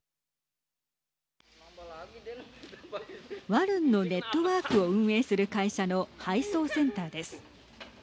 ワルンのネットワークを運営する会社の配送センターです。